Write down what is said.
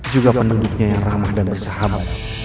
juga penduduknya yang ramah dan bersahabat